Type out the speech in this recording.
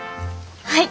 はい！